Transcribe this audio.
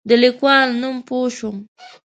د لیکوال نوم پوه شوم.